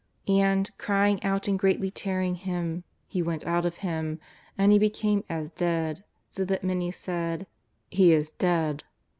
And, crying out and greatly tearing him, he went out of him, and he became as dead, so that many said: " He is dead."